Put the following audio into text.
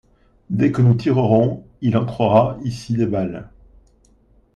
Dès que nous tirerons, il entrera ici des balles.